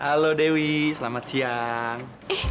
halo dewi selamat siang